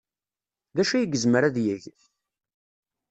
D acu ay yezmer ad yeg?